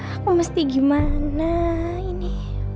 aku mesti gimana ini